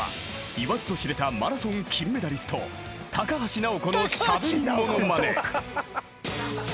［言わずと知れたマラソン金メダリスト高橋尚子のしゃべりものまね］